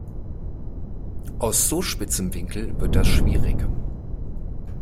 Aus so spitzem Winkel wird das schwierig.